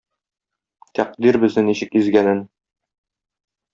Тәкъдир безне ничек изгәнен.